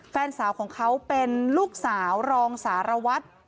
แฟนสาวของเขาเป็นลูกสาวรองสารวัตร